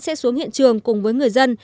sẽ xuống hiện trường cùng với người dân